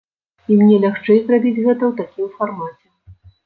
І мне лягчэй зрабіць гэта ў такім фармаце.